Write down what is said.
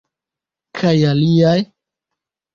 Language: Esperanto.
Kaj aliaj?